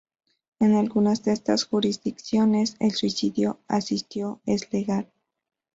En algunas de estas jurisdicciones el suicidio asistido es legal.